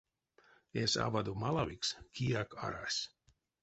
Эсь авадо малавикс кияк арась.